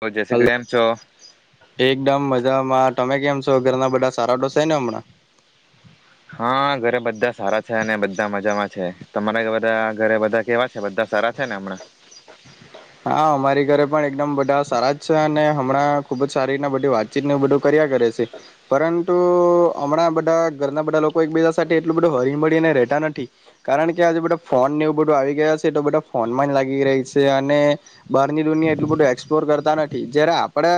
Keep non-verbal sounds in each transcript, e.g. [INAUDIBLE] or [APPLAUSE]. તો [UNINTELLIGIBLE] હલો કેેમ છો? [INAUDIBLE] તમે કેમ છો ઘરના બધા સારા તો શેને હમણાં? હા ઘરે બધા સારા છે, અને બધા મજામાં છે, તમારે બધા ઘરે બધા કેવા છે, બધા સારા છે, ને હમણાં? હા અમારી ઘરે પણ એકદમ બધા સારા જ છે અને હમણાં ખુબ જ સારી રીતના બધી વાતચીતવું બધું કર્યા કરે છે પરંતુ હમણાં બધા ઘરના બધા લોકો એક બીજા સાથે એટલું બધું હરી મળીને રહેતા નથી કારણ કે આજે બધા ફોન એવું બધું આવી ગયા છે એતો બધા ફોનમાં જ લાગી રહી છે. અને બહારની દુનિયા એટલું બધું એક્સપ્લોર કરતા નથી જયારે આપડા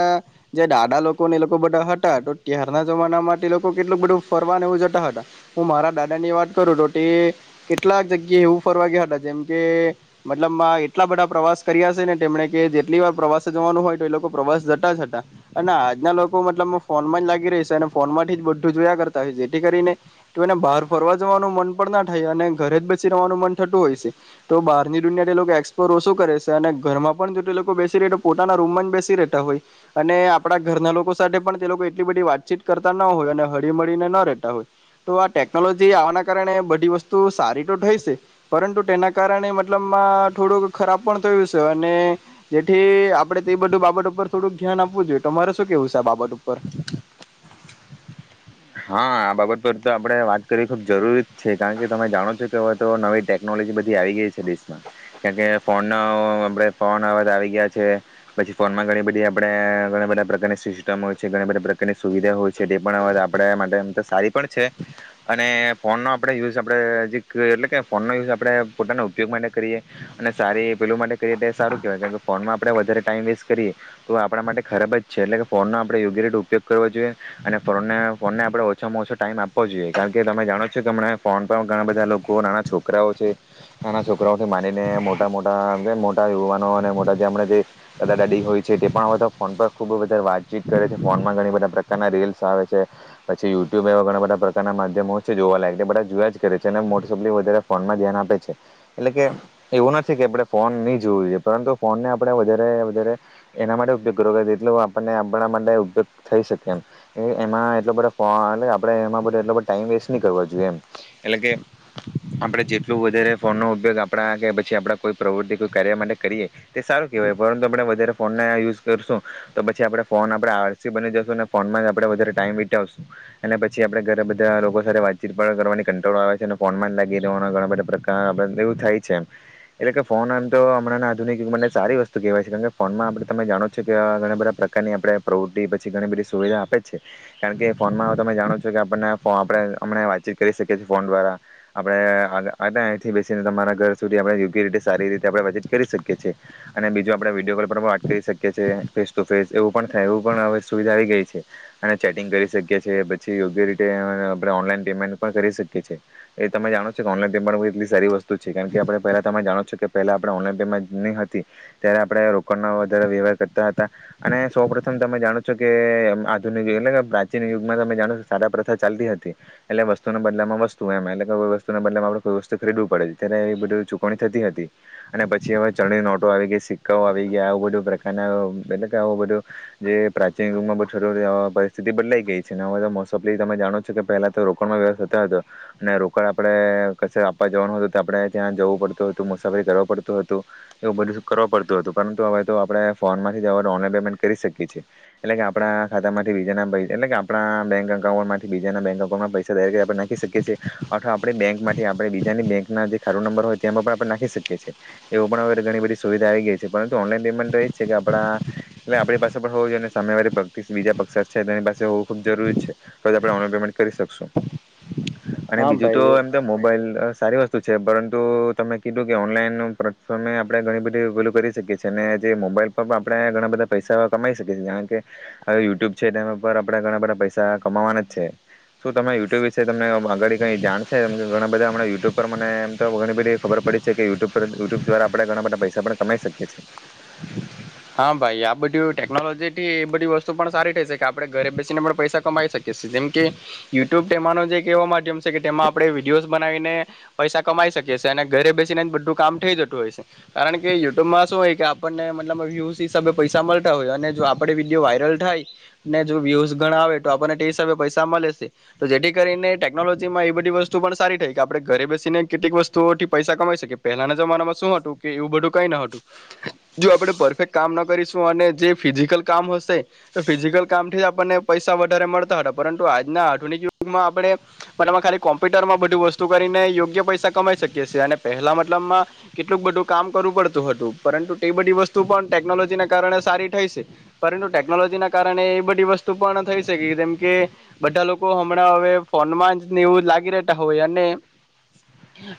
જે દાદા લોકોને એ લોકો બધા હતા તો ત્યારના જમાનામાં એ લોકો કેટલું બધું ફરવાનું એવું જતા હતા હું મારા દાદા ની વાત કરું તો તે કેટલાક જગ્યા એવું ફરવા ગયા હતા જેમ કે મતલબ એટલા બધા પ્રવાસ કર્યા ને તેમણે કે જેટલી વાર પ્રવાસે જવાનું હોય તો એ લોકો પ્રવાસ જતા જ હતા અને આજના લોકો મતલબમાં ફોનમાં જ લાગી રેય સે અને ફોનમાંથી જ બધું જોયા કરતા હોય છે જેથી કરીને તો એને બહાર ફરવા જવાનું મન પણ ના થાય અને ઘરે જ બસી રહેવાનું મન થતું હોય છે તો બહારની દુનિયા એ લોકો એક્સપ્લોર ઓસુ કરે સે. અને ઘરમાં પણ જો તે લોકો બેસી રહે પોતાના રૂમમાં જ બેસી રહેતા હોય અને આપણા ઘરના લોકો સાથે પણ તે લોકો એટલી બધી વાતચીત કરતા ન હોય અને હળી મળીને ન રહેતા હોય તો આ ટેકનોલોજી આવવાના કારણે બધી વસ્તુ સારી તો થઈ છે પરંતુ તેના કારણે મતલબમાં થોડુંક ખરાબ પણ થયું સે અને જેથી આપડે તે બધું બાબત ઉપર થોડુંક ધ્યાન આપવું જોઈએ, તમારે શું કેવું સે આ બાબત ઉપર? હા આ બાબત પર તો આપણેે વાત કરી ખુબ જરૂરી કારણ કે તમે જાણો છો કે હવે તો નવી ટેકનોલોજી બધી આવી ગઈ છે દેશમાં [UNINTELLIGIBLE] કે ફોન આપણે ફોન અવે તો આવી ગયા છે પછી ફોનમાં ઘણી બધી આપણેે ઘણા બધા પ્રકારની સિસ્ટમ હોય છે ઘણી બધા પ્રકારની સુવિધા હોય છે તે પણ અવા આપણે માટે તો સારી પણ છે અને ફોનનો આપણે યુઝ આપણે હજી એટલે કે ફોનનો યુઝ આપણે પોતાના ઉપયોગ માટે કરીએ અને સારી પેલું માટે કરીએ તો સારું કહેવાય કારણ કે ફોનમાં આપણે વધારે ટાઈમ વેસ્ટ કરીએ તો આપણા માટે ખરાબ જ છે એટલે કે ફોનનો આપણે યોગ્ય રીતે ઉપયોગ કરવો જોઈએ અને ફોનને ફોનને આપણે ઓછામાં ઓછો ટાઈમ આપવો જોઈએ કારણ કે તમે જાણો છો કે હમણા ફોન પર ઘણા બધા લોકો નાના છોકરાઓ છે નાના છોકરાઓથી માંડીને મોટા મોટામ કે મોટા યુવાનો અને મોટા જે હમણાં જે દાદા દાદી હોય છે તે પણ હવે તો ફોન પર ખૂબ બધારે વાતચીત કરે છે. ફોનમાં ઘણી બધા પ્રકારના રીલ્સ આવે છે. પછી યુટ્યુબ એવા ઘણા બધા પ્રકારના માધ્યમો છે જોવાલાયક એ બધા જોયા જ કરે છે અને મોસ્ટફલી વધારે ફોનમાં ધ્યાન આપે છે એટલે કે એવું નથી કે આપણે ફોન નહી જોવું જોઈએ પરંતુ ફોનને આપે વધારે વધારે એના માટે ઉપયોગ કરવો આપણને આપણા માટે ઉપયોગ થઈ શકે એમ એમાં બધા ફોન એટલે આપણે એમાં બધું એટલો બધો ટાઈમ વેસ્ટ નહી કરવો જોઈએ એમ એટલે કે આપણે જેટલું વધારે ફોનનો ઉપયોગ આપણા કે પછી આપણા કોઈ પ્રવૃત્તિ કોઈ કાર્ય માટે કરીએ તે સારું કહેવાય પરંતુ આપણે વધારે ફોનને યુઝ કરશું તો પછી આપણે ફોન આપણે આરસી બની જશું અને ફોનમાં જ આપણે વધારે ટાઈમ વી અને પછી આપણે ઘણા બધાં લોકો સાથે વાતચીત કરવાની કંટ્રોલ આવે છે અને ફોન લાગી રેવાનો ઘણા બધા પ્રકાર એવું થાય છે એમ એટલે કે ફોન એમ તો હમણાં આધુનિક [UNINTELLIGIBLE] ને સારી વસ્તુ કહેવાય છે કારણ કે ફોનમાં આપ તમે જાણો છો કે ઘણા બધા પ્રકારની આપડે પ્રવૃત્તિ પછી ઘણી બધી સુવિધા આપે જ છે. કારણ કે ફોનમાં તમે જાણો છો કે આપણને આપણે અ વાતચીત કરી શકીએ છીએ ફોન દ્વારા આપણે અહીંથી અને અને અહીંથી બેસીને તમારા ઘર સુધી આપણે યોગ્ય રીતે સારી રીતે આપણે વાતચીત કરી શકીએ છીએ અને બીજું આપણે વિડીયો કોલ પર પણ વાત કરી શકીએ છીએ ફેસ ટુ ફેસ એવું પણ થાય એવું પણ હવે સુવિધા આવી ગઈ છે. ચેટિંગ કરી શકીએ છીએ પછી યોગ્ય રીતે આપણે ઓનલાઈન પેમેન્ટ પણ કરી શકીએ છીએ એ તમે જાણો છો કે ઓનલાઈન પેમેન્ટ એટલી સારી વસ્તુ છે કારણ કે આપણે પહેલાં તમે જાણો છો કે પહેલાં આપણે ઓનલાઈન પેમેન્ટ નહીં હતી ત્યારે આપણે રોકડનો વધારે વ્યવહાર કરતા હતા અને સૌ પ્રથમ તમે જાણો છો કે આધુનિક એટલે કે પ્રાચીન યુગમાં તમે જાણો છો સાટા પ્રથા ચાલતી હતી એટલે વસ્તુના બદલામાં વસ્તુ એમ એટલે વસ્તુના બદલામાં આપડણે કોઈ વસ્તુ ખરીદવું પડે ત્યારે એ બધી ચુકવણી થતી હતી અને પછી હવે ચલણી નોટો આવી ગઈ સિક્કાઓ આવી ગયા આવું બધું પ્રકારના એટલે કે આ બધું જે પ્રાચીન યુગમાં બધું [UNINTELLIGIBLE] સ્થિતિ બદલાઈ ગઈ છે ને હવે તો મોસ્ટોફલી તમે જાણો છો કે પહેલા તો રોકડમાં વ્યવસ્થા હતો અને રોકડ આપણે ક્સે આપવા જવાનું હતું તો આપણે ત્યાં જવું પડતું હતું મુસાફરી કરવા પડતું હતું એવું બધું કરવા પડતું હતું પરંતુ હવે તો આપણે ફોન માંથી જવા ઓનલાઈન પેમેન્ટ કરી શકીએ છીએ એટલે કે આપણા ખાતામાંથી એટલે આપણા બેંક અકાઉન્ટમાંથી બીજાના બેંક અકાઉન્ટમાં પૈસા ડાયરેક જ આપણે નાખી શકીએ છીએ અથવા આપણી બેંકથી આપણે બીજાની બેંક ના જે ખાટું નંબર હોય તેમાં પણ આપણે નાખી શકીએ છીએ એવુ પણ ઘણી બધી સુવિધા આવી ગઈ છે પરંતુ ઓનલાઈન પેમેન્ટ તો એ જ છે કે આપણા એટલે આપણી પાસે પણ હોવ જોઈએ સામેવાલી [UNINTELLIGIBLE] બીજા પક્ષકાર છે તેની પાસે હોવું ખૂબ જરૂરી છે તો જ આપણે ઓનલાઈન પેમેન્ટ કરી શકશું. અને હા બીજું તો ભાઈ એમ તો મોબાઈલ અહ સારી વસ્તુ છે પરંતુ તમે કીધું કે ઓનલાઈનનું પ્રટફોર્મે આપણે ઘણી બધી [UNINTELLIGIBLE] કરી શકીએ છીએ અને જે મોબાઈલ પર પણ આપણે ઘણા બધા પૈસા કમાઈ શકીએ છીએ જાણે કે હવે યુટ્યુબ છે, ત્યાં ઉપર આપણે ઘણા બધા પૈસા કમાવાના જ છે, શું તમે યુટ્યુબ વિશે તમને અગળ કઈ જાણશે ઘણા બધા યુટ્યુબ પર મને એમ તો ઘણી બધી ખબર પડી છે, કે [UNINTELLIGIBLE] પર યુટ્યુબ દ્વારા આપણે ઘણા બધા પૈસા પણ કમાઈ શકીએ છીએ. હા ભાઈ આ [UNINTELLIGIBLE] ટેકનોલોજી થી એ બધી વસ્તુ પણ સારી થઈ શકે. કે આપણે ઘરે બેસીને પણ પૈસા કમાઈ શકીએ. જેમ કે યુટ્યુબ તે માનવ છે કે એવો માધ્યમ છે કે તેમાં આપણે વિડીયોસ બનાવીને પૈસા કમાઈ શકીએ અને ઘરે બેસીને જ બધું કામ થઈ જતું હોય છે કારણ કે યુટ્યુબમાં શું હોય કે આપણનેમને એનામાં વ્યુઝ હિસાબે પૈસા મળતા હોય અને જો આપડ વિડીયો વાયરલ થાયને જો વ્યુઝ ગણા આવે તો આપણને તે હિસાબે પૈસા મળે છે તો જેથી કરીને ટેકનોલોજીમાં એ બધી વસ્તુ પણ સારી થાય કે આપ ઘરે બેસીને કેટલીક વસ્તુ ઓથી પૈસા કમાઈ શકી પેલાના જમાનામાં શું હતું કે એવું બધું કઈ ન હતું જો આપડે પરફેક્ટ કામ ન કરીશું અને જે ફિઝિકલ કામ હશે તો ફિઝિકલ કામથી જ આપણને પૈસા વધારે મળતા હતા પરંતુ આજના આધુનિક યુગમાં આપણે મતલબમાં ખાલી કોમ્પ્યુટરમાં બધું વસ્તુ કરીને યોગ્ય પૈસા કમાઈ શકીએ છેએ અને પહેલા મતલબમાં કેટલુંક બધું કામ કરવું પડતું હતું પરંતુ તે બધી વસ [UNINTELLIGIBLE] ટેકનોલોજી ના કારણે સારી થઈ છે પરંતુ ટેકનોલોજી ના કારણે એ બધી વસ્તુ પણ થઈ શકે જેમ કે બધા લોકો હમણાં હવે ફોનમાં જ [UNINTELLIGIBLE] લાગી રહેતા હોય અને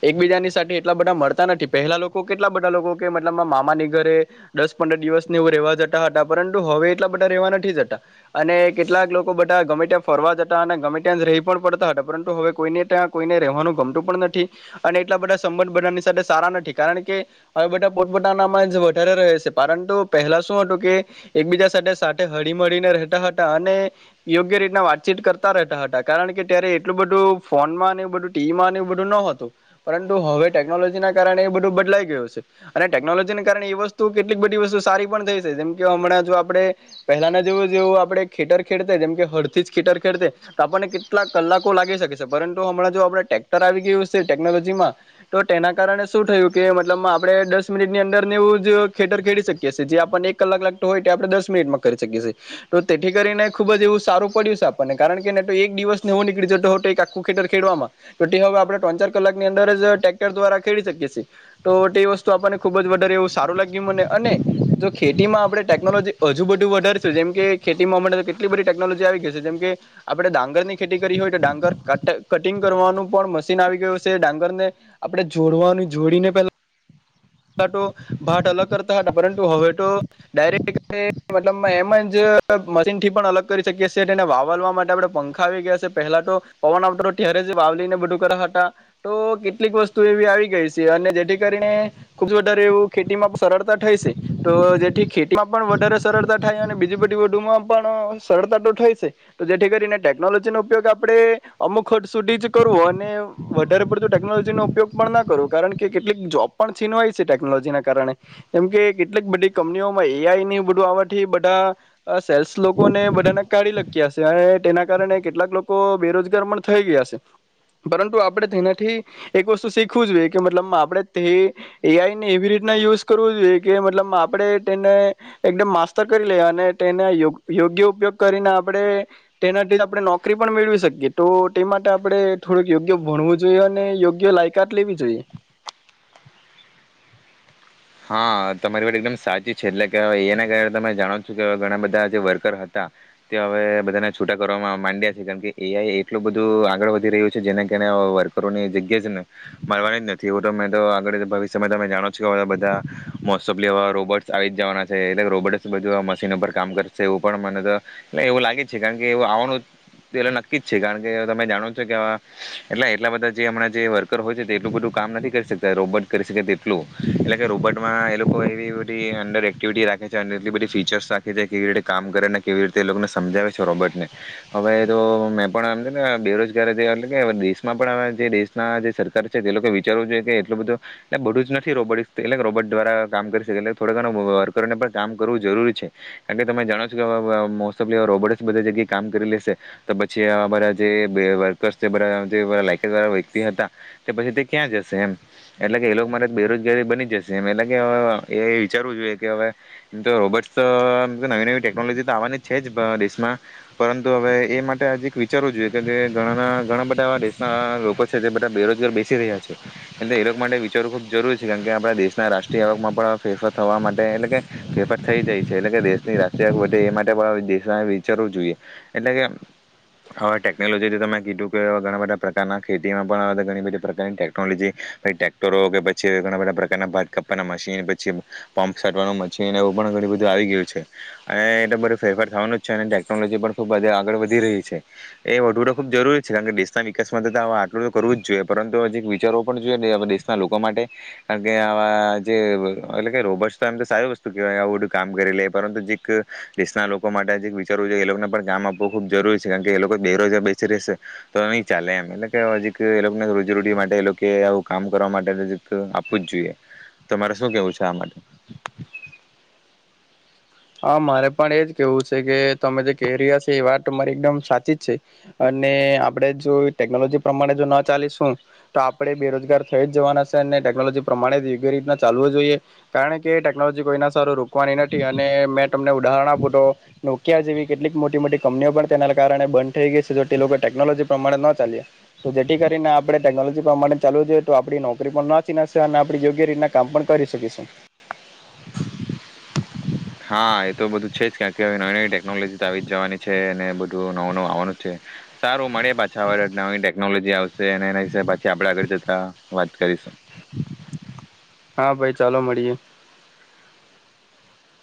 એકબીજાની સાથે એટલા બધા મળતા નથી પહેલા લોકો કેટલા બધા લોકો કે મતલબ મામાની ઘરે દસ પંદર દિવસને એઉ રેવા જતા હતા પરંતુ હવે એટલા બધા રહેવા નથી જતા અને કેટલાક લોકો બધા ગમે ત્યાં ફરવા જતા અને ગમે ત્યાં રહી પણ પડતા હતા પરંતુ હવે કોઈને ત્યાં કોઈને રહેવાનું ગમતું પણ નથી અને એટલા બધા સંબંધ બધાની સાથે સારા નથી કારણ કે હવે બધા પોતપતાાનામાં જ વધારે રહે છે. પરંતુ પહેલા શું હતું કે એકબીજા સાથે સાથે હળી મળળીને રહેતા હતા અને યોગ્ય રીતના વાતચીત કરતા રહેતા હતા કારણ કે ત્યારે એટલું બધું ફોનમાંને એ બધું ટીવીમાંને એવું બધું ન હતું પરંતુ હવે ટેકનોલોજી ના કારણે એ બધું બદલાઈ ગયું છે, અને ટેકનોલોજીને કારણે એ વસ્તુ કેટલીક બધી વસ્તુ સારી પણ થઈ છે, જેમ કે હમણાં જો આપણે પહેલાના જે જેવું આપણે ખેતર ખેડતા જેમ કે હળથી જ ખેતર ખેડતે તો આપણને કેટલાક કલાકો લાગી શકે છે, પરંતુ હમણાં જો આપણે ટેક્ટર આવી ગયું છે, ટેકનોલોજીમાં તો તેના કારણે શું થયું કે મતલબમાં આપણે દસ મિનિટ ની અંદર ને એવુંજ ખેતર ખેડી શકીએ છીએ જે આપને એક કલાક લાગતો હોય તે આપણે દસ મિનિટમાં કરી શકીયે છે તો તેથી કરીને ખુબ જ એવું સારું પડ્યું છે આપણને કારણ કે એને એક દિવસ ને એવું નીકળી જ તો આખું ખેટર ખેડવામાં તો તે હવે આપણે ત્રણ ચાર કલાકની અંદર જ ટેક્ટર દ્વારા ખેડી શકીએ તો તે વસ્તુ આપણને ખુબ જ વધારે એવું સારું લાગે [UNINTELLIGIBLE] અને જો ખેતીમાં આપણે ટેકનોલોજી હજુ બધું વધારશું જેમ કે ખેતીમાં કેટલી બધી ટેકનોલોજી આવી ગઈ છે જેમકે આપણે ડાંગર ની ખેતી કરી હોય તો ડાંગર કટ કટિંગ કરવાનું પણ મશીન આવી ગયું છે ડાંગરને આપણે જોડવાનું જોડીને પેલા તો ભાત અલગ કરતા હતા પરંતુ હવે તો ડાયરેક્ટ મતલબમાં એમ જ મશીન થી પણ અલગ કરી શકીએ છે તેને વાવલવા માટે આપણે પંખા આવી ગયા છેપહેલા તો પવન આવતો ત્યારે જ વાવલીને બધું કર્યા હતા તો કેટલીક વસ્તુ એવી આવી ગઈ છે, અને જેથી કરીને ખુબ વધારે એવું ખેતીમાં પણ સરળતા થાય છે. તો જેથી ખેતીમાં પણ વધારે સરળતા થાય અને બીજી બધી વુમાં પણ સરળતા તો થાય છે તો જેથી કરીને ટેકનોલોજીનો ઉપયોગ આપણે અમુક હદ સુધી જ કરવો અને વધારે પડતું ટેકનોલોજીનો ઉપયોગ પણ ના કરવો કારણ કે કેટલીક જોબ પણ છીનવાય છે ટેકનોલોજીના કારણે. કેમ કે કેટલીક બધી કંપનીઓમાં એઆઈ ની બધું આવા થી બધા સેલ્સ લોકોને બધાને કાઢી લખ્યા છે, અને તેના કારણે કેટલાક લોકો બેરોજગાર પણ થઈ ગયા છે, પરંતુ આપણે તેનાથી એક વસ્તુ શીખવું જોઈએ કે મતલબમાં આપડે તે એઆઈ ને એવી રીતના યુઝ કરવું જોઈએ કે મતલબ આપણે તેને એકદમ માસ્ટતર કરી લઈએ અને તેના [UNINTELLIGIBLE] યોગ્ય ઉપયોગ કરીને આપણે તેનાથી આપણે નોકરી પણ મેળવી શકીએ તો તે માટે આપણે થોડક યોગ્ય ભણવું જોઈએ અને યોગ્ય લાયકાત લેવી જોઈએ. હા તમારી વાત એકદમ સાચી છે એટલે કે એઆઈ ના કારણે તમે જાણો છો કે ઘણા બધા જે વર્કર હતા તે હવે બધાને છૂટા કરવાવામાં માંડ્યા છે કેમ કે એઆઈ એટલું બધું આગળ વધી રહ્યું છે જેના કારણે વર્કરોની જગ્યા જ ન મળવાની જ નથી હું તો મે તો આગડ ભવિષ્યમાં તમે જાણો છો [UNINTELLIGIBLE] લેવા રોબોટ આવી જ જવાના છે એટલે કે રોબોટજ બધું આમશીનો પર કામ કરશે એવું પણ મને તો એવું લાગે જ છે કારણ કે એવું આવવાનું નક્કી જ છે કારણ કે તમે જાણો છો કે એટલે એટલા બધા જે હમણાં જે વર્કર હોય છે એટલું બધું કામ નથી કરી શકતા રોબોટ કરી શકે તેટલું એટલે રોબોટમાં એ લોકો એવી બધી અંડર એક્ટિવિટી રાખે છે, અને એટલી બધી ફીચર્સ રાખે છે, કેવી રીતે કામ કરે ને કેવી રીતે એ લોકોને સમજાવે છે, રોબોટને હવે તો મેં પણ આમ છે, ને બેરોજગાર જે એટલે કે દેશમાં પણ આવા જે દેશના જે સરકાર છે તે લોકો વિચારવું જોઈએ કે એટલું બધું એટલે બધું જ નથી રોબોટ [UNINTELLIGIBLE] રોબોટ દ્વારા કામ કરી શકે થોડા ઘણ વર્કરને પણ કામ કરવું જરૂરી છે, કારણ કે તમે જાણો છો કે મોસ્ટ ઓફ રોબોટ બધી જગ્યાએ કામ કરી લેશે તો પછી અમારા જે જે વર્કર્સ છે, બધા જે લાયકાતળ વ્યક્તિ હતા તે પછી તે ક્યાં જશે એમ એટલે કે એ લોકો મારે બેરોજગારી બની જ એમ એટલે કે એ વિચારવું જોઈએ કે હવે એમ તો રોબોટ્સ નવી નવી ટેકનોલોજી તો આવવાની છે જ અપણા દેશમાં પરંતુ હવે એ માટે આજે એક વિચારવું જોઈએ કે ઘણા ઘણા બધા આવા દેશના લોકો છે જે બધા બેરોજગાર બેસી રહ્યા છે એટલે એ લોકો માટે વિચારવું ખૂબ જરૂરી છે કારણ કે આ આપડા દેશના રાષ્ટ્રીય આવકમાં પણ ફેરફાર થવા માટે એટલે કે ફેરફાર થઈ જાય છે એટલે કે દેશની રાષ્ટ્રીય આવક વધે એ માટે પણ દેશ વિચારવું જોઈએ એટલે કે હવે ટેકનોલોજી જે તમે કીધું કે ઘણા બધા પ્રકારના ખેતીમાં પણ ઘણી બધી પ્રકારની ટેકનોલોજી કઈ ટ્રેક્ટરો કે પછી ઘણા બધા પ્ર [UNINTELLIGIBLE] મશીન પછી પંપ છાંટવાનું મશીન એવું પણ ઘણું બધું આવી ગયું છે, અને એટલે બધું ફેરફાર થવાનું જ છે, અને ટેકનોલોજી પણ ખુબ બધી આગળ વધી રહી છે એ વધવું તો ખુબ જરૂરી છે કારણ કે દેશના વિકાસ માટે આટલું તો કરવું જ જોઈએ પરંતુ હજી વિચારવો પણ જોઈએ દે હવે દેશના લોકો માટે. કારણ કે આમાં જે એટલે કે રોબર્ટ તો એમ તો સારી વસ્તુ કેવાય આવું બધું કામ કરી લે પરંતુ જીક દેશના લોકો માટે જે વિચારવું જોઈએ એ લોકોને પણ કામ આપવું ખુબ જરૂરી છે કારણ કે એ લોકો બેરોજગાર બેસી રહેશે તો નહી ચાલે એમ એટલે કે હજીક એ લોકોને રોજીરોટી માટે એ લોકો આવું કામ કરવા માટે જરીક પૂછ જોઈએ. તમારે શું કેવું છે આ માટે? હા મારે પણ એજ કેવું છે, કે તમે જે કહે રહ્યા હશે એ વાત મારી એકદમ સાચી જ છે, અને આપણેે જો ટેકનોલોજી પ્રમાણે જો ના ચાલીશું તો આપડે બેરોજગાર થઈ જ જવાના છે, અને ટેકનોલોજી પ્રમાણે જ યોગ્ય રીતના ચાલવું જ જોઈએ કારણ કે ટેકનોલોજી કોઈના સારો રૂપ કોણ એનાથી [UNINTELLIGIBLE] મેં તમને ઉદાહરણ આપુ તો નોકિયા જેવી કેટલીક મોટી મોટી કંપનીઓ પણ તેના કારણે બંધ થઈ ગઈ છે, તો તે લોકો ટેકનોલોજી પ્રમાણે ન ચાલ્યા. તો જેથી કરીને આપણે ટેકનોલોજી મને ચાલુ જોઈએ તો આપણી નોકરી પણ ના ચી ના સા ના આપણી યોગ્ય રીતના કામ પણ કરી શકીશું હા એ તો બધું છે, જ [UNINTELLIGIBLE] નવી નવી ટેકનોલોજી આવી જ જવાની છે, અનેને બધું નવું નવું આવવાનું છે, સારું મળે પાછા વરત નવીન ટેક ગમે તે આવશે અને એના વિશે પાછી આપણે આગળ જતા વાત કરીશું. હા ભાઈ ચાલો મળીએ.